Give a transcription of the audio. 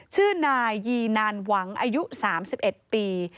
ชื่อนายยีนานหวังอายุ๓๑ปี